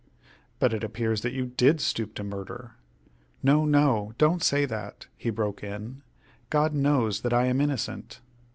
"But it appears that you did stoop to murder." "No, no! don't say that," he broke in. "God knows that I am innocent."